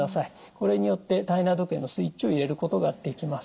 これによって体内時計のスイッチを入れることができます。